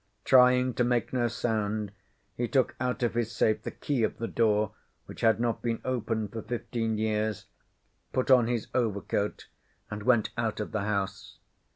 Trying to make no sound, he took out of his safe the key of the door which had not been opened for fifteen years, put on his overcoat, and went out of the house.